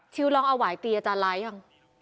ชิวลองเอาหวายตีอาจารย์ไล่หรือยัง